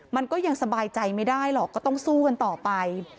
มันก็ยังสบายใจไม่ได้หรอกก็ต้องสู้กันต่อไป